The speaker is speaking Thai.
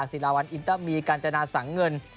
ศิลาวันอินเตอร์มีกาญจนาสังเงิน